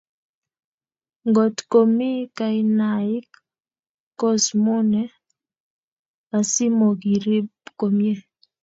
Ngotkomi kainaik kosmune asimokirib komie?